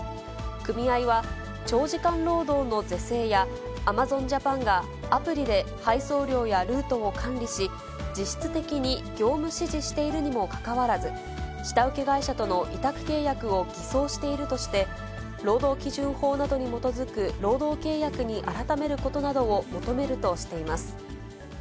組合は長時間労働の是正や、アマゾンジャパンがアプリで配送量やルートを管理し、実質的に業務指示しているにもかかわらず、下請け会社との委託契約を偽装しているとして、労働基準法などに基づく労働契約に改めることなどを求めるとしています。